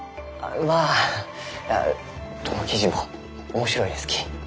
まあどの記事も面白いですき。